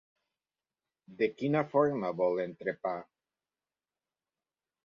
De quina forma vol l'entrepà?